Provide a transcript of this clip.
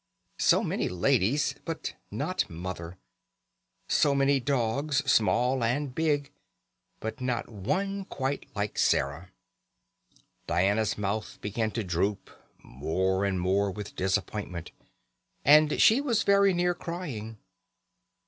So many ladies, but not Mother; so many dogs, small and big, but not one quite like Sarah. Diana's mouth began to droop more and more with disappointment, and she was very near crying.